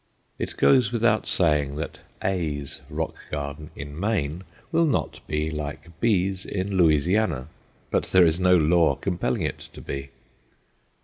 It goes without saying that A's rock garden in Maine will not be like B's in Louisiana; but there is no law compelling it to be.